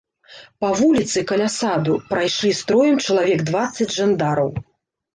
Па вуліцы, каля саду, прайшлі строем чалавек дваццаць жандараў.